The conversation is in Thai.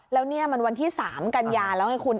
แล้วนี่มันวันที่๓กันยาแล้วไงคุณ